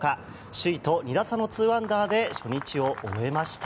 首位と２打差の２アンダーで初日を終えました。